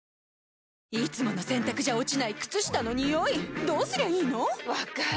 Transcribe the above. いつもの洗たくじゃ落ちない靴下のニオイどうすりゃいいの⁉分かる。